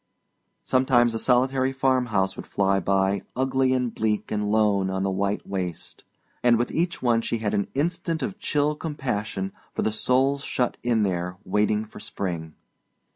Sometimes a solitary farmhouse would fly by, ugly and bleak and lone on the white waste; and with each one she had an instant of chill compassion for the souls shut in there waiting for spring.